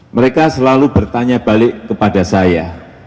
mereka selalu bertanya balik kepada saya